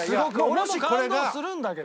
俺も感動するんだけど。